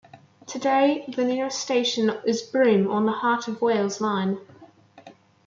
Today the nearest station is Broome on the Heart of Wales Line.